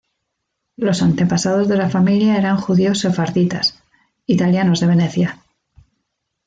Los antepasados de la familia eran judíos sefarditas, italianos de Venecia.